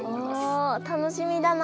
お楽しみだな。